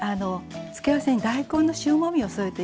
つけ合わせに大根の塩もみを添えています。